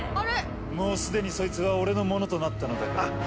もう既にそいつは俺のものとなったのだ。